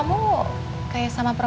padahal sampai setelah